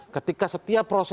ketika setiap proses hukum